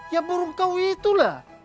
ya burung kau itulah